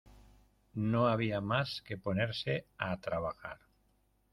No había más que ponerse a trabajar.